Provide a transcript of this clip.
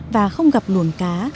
và không gặp luồng cá